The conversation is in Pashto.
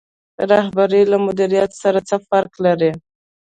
رهبري له مدیریت سره څه فرق لري؟